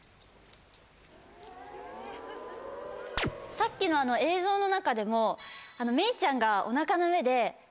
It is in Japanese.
さっきの映像の中でもメイちゃんがお腹の上で。